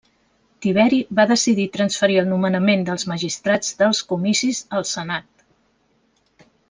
Tiberi va decidir transferir el nomenament dels magistrats dels Comicis al Senat.